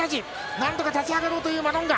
何とか立ち上がろうというマロンガ。